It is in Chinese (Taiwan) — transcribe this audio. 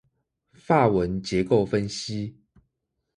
法文結構分析